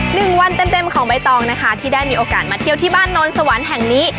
หนึ่งวันเต็มเต็มของใบตองนะคะที่ได้มีโอกาสมาเที่ยวที่บ้านโนนสวรรค์แห่งนี้